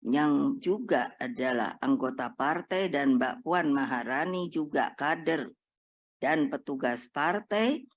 yang juga adalah anggota partai dan mbak puan maharani juga kader dan petugas partai